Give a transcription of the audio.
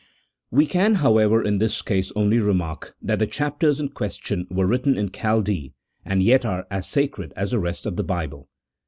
We can, however, in this case only remark that the chapters in question were written in Chaldee, and yet are as sacred as the rest of the Bible.